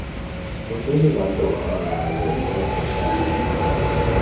Després es van trobar en la majoria dels oceans del món.